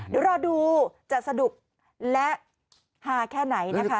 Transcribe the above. เดี๋ยวรอดูจะสนุกและฮาแค่ไหนนะคะ